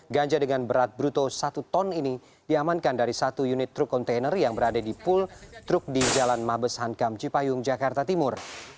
ganja dengan berat bruto satu ton ini diamankan dari satu unit truk kontainer yang berada di pul truk di jalan mabes hankam cipayung jakarta timur